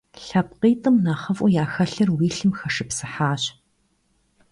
ЛъэпкъитӀым нэхъыфӀу яхэлъыр уи лъым хэшыпсыхьащ.